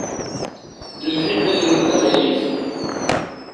Lemḥibba-nwen d aɣilif.